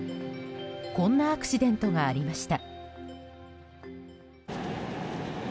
こんなアクシデントがありました。